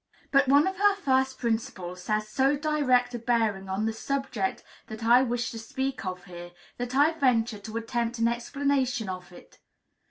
But one of her first principles has so direct a bearing on the subject that I wish to speak of here that I venture to attempt an explanation of it.